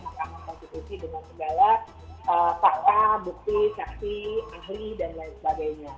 dan dianggap konstitusi dengan segala fakta bukti saksi ahli dan lain sebagainya